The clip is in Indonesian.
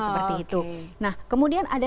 seperti itu nah kemudian ada